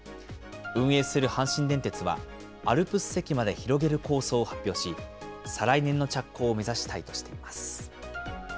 運営する阪神電鉄は、アルプス席まで広げる構想を発表し、再来年の着工を目指したいとしています。